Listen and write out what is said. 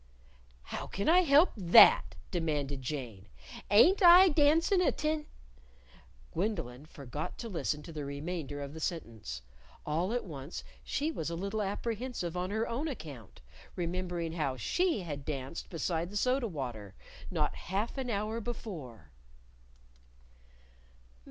"How can I help that?" demanded Jane. "Ain't I dancin' atten " Gwendolyn forgot to listen to the remainder of the sentence. All at once she was a little apprehensive on her own account remembering how she had danced beside the soda water, not half an hour before!